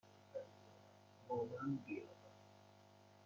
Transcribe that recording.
با من بیا!